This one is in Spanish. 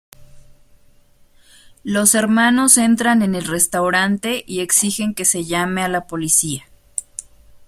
Los hermanos entran en el restaurante y exigen que se llame a la policía.